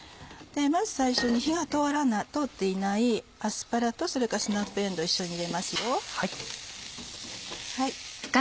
まず最初に火が通っていないアスパラとスナップえんどう一緒に入れますよ。